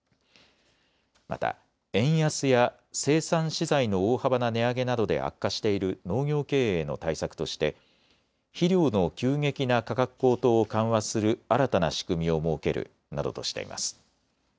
また円安や生産資材の大幅な値上げなどで悪化している農業経営への対策として肥料の急激な価格高騰を緩和する新たな仕組みを設けるなどとしています。